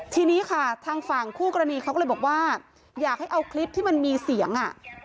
ทีนี้ค่ะทางฝั่งคู่กรณีเขาก็เลยบอกว่าอยากให้เอาคลิปที่มันมีเสียงอ่ะ